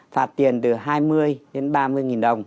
phạt tiền từ hai mươi đến ba mươi nghìn đồng